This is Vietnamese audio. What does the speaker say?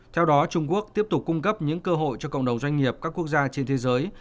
theo đó trung quốc tiếp tục cung cấp những cơ hội cho cộng đồng doanh nghiệp các quốc gia trên thế giới